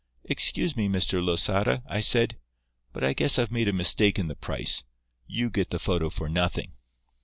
'Excuse me, Mr. Losada,' I said, 'but I guess I've made a mistake in the price. You get the photo for nothing.